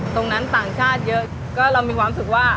ต่างชาติเยอะก็เรามีความรู้สึกว่า